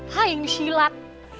lah yang ngesilat